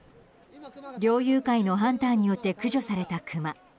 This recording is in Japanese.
猟友会のハンターによって駆除されたクマ。